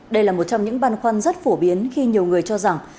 đây là một trong những băn khoăn rất phổ biến khi nhiều người cho rằng